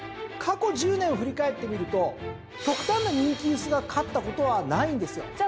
過去１０年を振り返ってみると極端な人気薄が勝ったことはないんですよ。